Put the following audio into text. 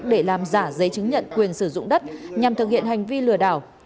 để làm giả giấy chứng nhận quyền sử dụng đất nhằm thực hiện hành vi lừa đảo